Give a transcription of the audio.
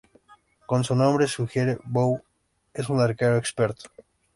Como su nombre sugiere, Bow es un arquero experto.